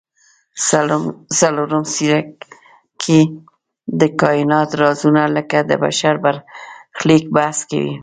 څلورم څپرکی د کایناتو رازونه لکه د بشر برخلیک بحث کوي.